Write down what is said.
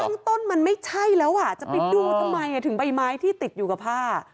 เรื่องต้นมันไม่ใช่แล้วอ่ะจะไปดูทำไมถึงใบไม้ที่ติดอยู่กับผ้า